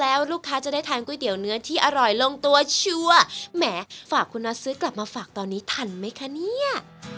แล้วลูกค้าจะได้ทานก๋วยเตี๋ยวเนื้อที่อร่อยลงตัวชัวร์แหมฝากคุณน็อตซื้อกลับมาฝากตอนนี้ทันไหมคะเนี่ย